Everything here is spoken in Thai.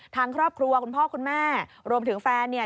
ทางครอบครัวคุณพ่อคุณแม่รวมถึงแฟนเนี่ย